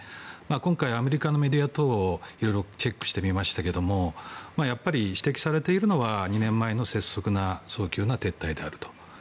今回、アメリカのメディア等をいろいろチェックしてみましたが指摘されているのは２年前の性急な撤退であると。